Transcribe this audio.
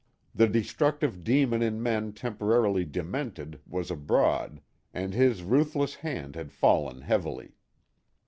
The destructive demon in men temporarily demented was abroad and his ruthless hand had fallen heavily.